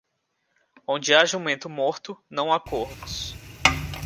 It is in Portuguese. Onde há jumento morto, não há corvos.